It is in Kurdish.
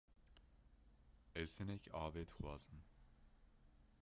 Ez hinek avê dixazim.